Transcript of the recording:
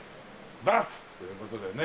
バツという事でね。